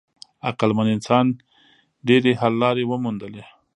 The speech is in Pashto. عقلمن انسان ډېرې حل لارې وموندلې.